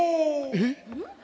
えっ。